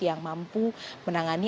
yang mampu menangani